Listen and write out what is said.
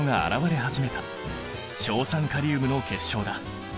硝酸カリウムの結晶だ。